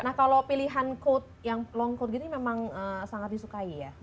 nah kalau pilihan code yang long code gini memang sangat disukai ya